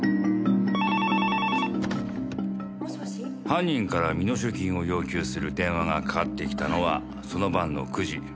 犯人から身代金を要求する電話がかかってきたのはその晩の９時。